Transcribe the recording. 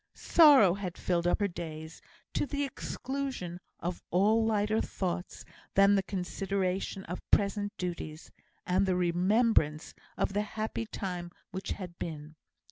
Sorrow had filled up her days, to the exclusion of all lighter thoughts than the consideration of present duties, and the remembrance of the happy time which had been.